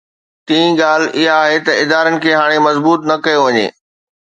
ٽين ڳالهه اها آهي ته ادارن کي هاڻي مضبوط نه ڪيو وڃي.